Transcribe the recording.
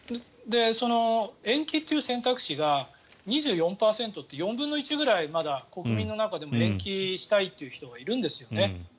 延期という選択肢が２４％って４分の１ぐらいまだ国民の中にも延期したいという人がいるんですよね。